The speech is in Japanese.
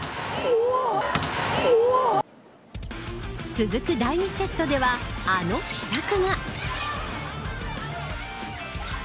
続く第２セットではあの秘策が。